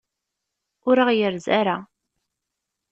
Ur d aɣ-yerzi ara.